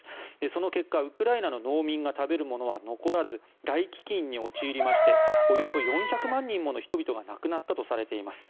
その結果、ウクライナの農民が食べるものは残らず大飢きんに陥りましておよそ４００万人もの人々が亡くなったとされています。